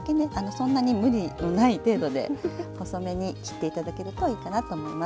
そんなに無理のない程度で細めに切っていただけるといいかなと思います。